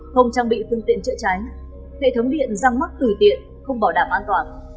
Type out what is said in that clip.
không trang bị phương tiện chữa cháy hệ thống điện răng mắc tử tiện không bảo đảm an toàn